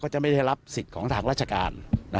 ก็จะไม่ได้รับศิษย์ของฐานรัชกาล